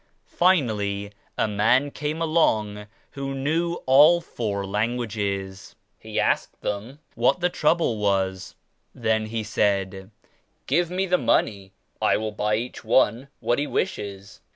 Finally a man came along who knew all four languages. He asked what the trouble was. Then he said 'Give me the money. I will buy each one what he wishes.'